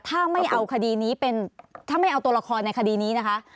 ถ้าไม่เอาตัวละครในคดีนี้นะครับ